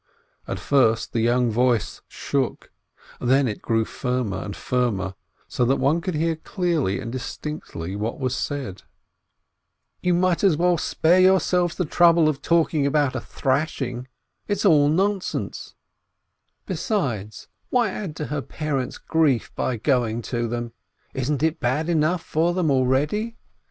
At first the young voice shook, then it grew firmer and firmer, so that one could hear clearly and distinctly what was said : "You might as well spare yourselves the trouble of talking about a thrashing; it's all nonsense; besides, 464 BLINKIN why add to her parents' grief by going to them ? Isn't it bad enough for them already?